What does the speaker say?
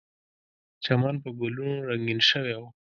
چمن په ګلونو رنګین شوی و.